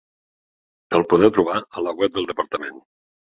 El podeu trobar a la web del departament.